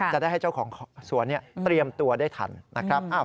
จะได้ให้เจ้าของสวนเตรียมตัวได้ทันนะครับ